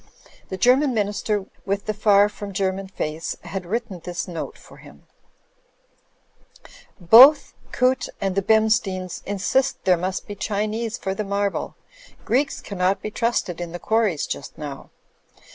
The German Minister with the far from German face, had written this note for him: "Both Coote and the Bemsteins insist there must be Chinese for the marble. Greeks cannot be trusted in the quarries just now.'